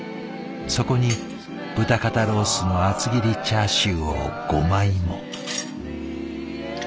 そこに豚肩ロースの厚切りチャーシューを５枚も。